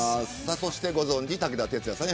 そして、ご存じ武田鉄矢さん